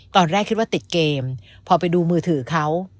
ตอนแรกคิดว่าติดเกมพอไปดูมือถือเขา